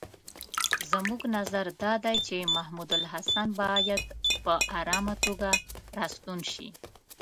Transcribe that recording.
زموږ نظر دا دی چې محمودالحسن باید په آرامه توګه را ستون شي.